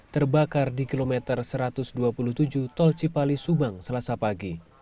terbakar di kilometer satu ratus dua puluh tujuh tol cipali subang selasa pagi